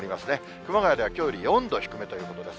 熊谷ではきょうより４度低めということです。